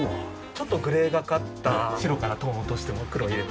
ちょっとグレーがかった白からトーンを落として黒を入れてもらって。